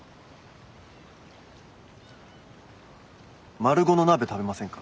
マルゴの鍋食べませんか？